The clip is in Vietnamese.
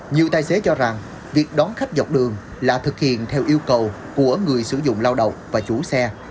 nhiều tài xế cho rằng việc đón khách dọc đường là thực hiện theo yêu cầu của người sử dụng lao động và chủ xe